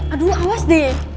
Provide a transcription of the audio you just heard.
aduh awas deh